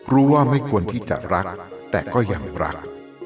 ว่าไม่ควรที่จะรักแต่ก็ยังรัก